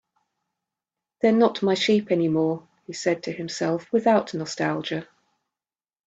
"They're not my sheep anymore," he said to himself, without nostalgia.